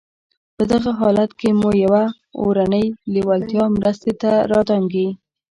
په دغه حالت کې مو يوه اورنۍ لېوالتیا مرستې ته را دانګي.